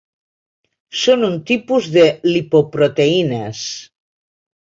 Són un tipus de lipoproteïnes.